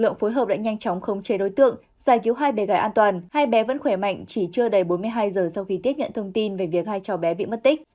lực lượng phối hợp đã nhanh chóng khống chế đối tượng giải cứu hai bé gái an toàn hai bé vẫn khỏe mạnh chỉ chưa đầy bốn mươi hai giờ sau khi tiếp nhận thông tin về việc hai cháu bé bị mất tích